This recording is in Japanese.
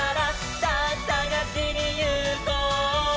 「さぁさがしにいこう」